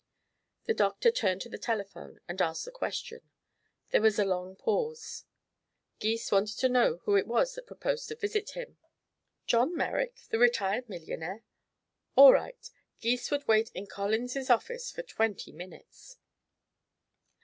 The doctor turned to the telephone and asked the question. There was a long pause. Gys wanted to know who it was that proposed to visit him. John Merrick, the retired millionaire? All right; Gys would wait in Collins' office for twenty minutes.